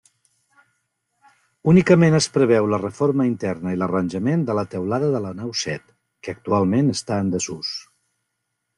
Únicament es preveu la reforma interna i l'arranjament de la teulada de la nau set, que actualment està en desús.